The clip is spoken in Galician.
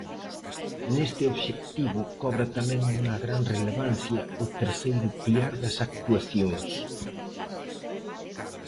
Neste obxectivo cobra tamén unha gran relevancia o terceiro piar das actuacións.